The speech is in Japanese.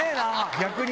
逆に！